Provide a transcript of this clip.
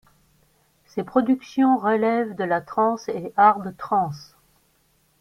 Ses productions relèvent de la trance et hard trance.